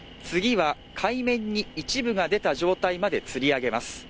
海面に一部が出た状態までつり上げます